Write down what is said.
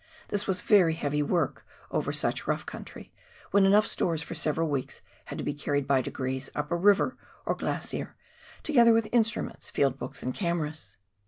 This was very heavy work over such rough country, when enough stores for several weeks had to be carried by degrees up a river or glacier, together with instruments, field books and cameras.